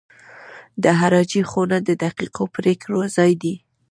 د جراحي خونه د دقیقو پرېکړو ځای دی.